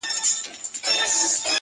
لمرمخی یار چي عادت نه لري د شپې نه راځي!